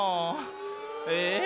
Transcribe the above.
え？